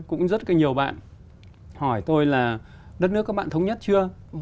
cũng rất là nhiều bạn hỏi tôi là đất nước các bạn thống nhất chưa